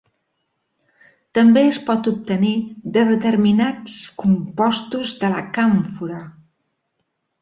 També es pot obtenir de determinats compostos de la càmfora.